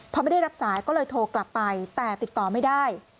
พอไม่ได้รับสายก็เลยโทรกลับไปแต่ติดต่อไม่ได้